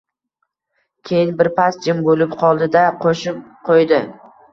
Keyin birpas jim bo`lib qoldi-da, qo`shib qo`ydi